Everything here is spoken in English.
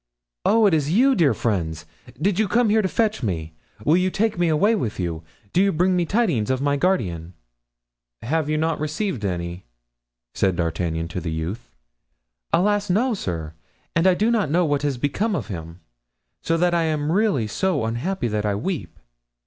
"Oh, is it you, dear friends? Did you come here to fetch me? Will you take me away with you? Do you bring me tidings of my guardian?" "Have you not received any?" said D'Artagnan to the youth. "Alas! sir, no, and I do not know what has become of him; so that I am really so unhappy that I weep."